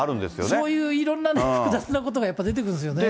そういういろんなね、複雑なことがやっぱり出てくるんですよ